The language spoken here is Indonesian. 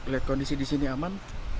lihat kondisi di sini aman